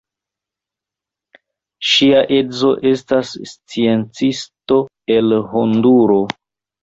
Ŝia edzo estas sciencisto el Honduro.